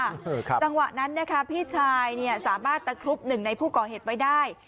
จังหวะนั้นพี่ชายสามารถตะครุบ๑ในผู้ก่อเหตุไว้ได้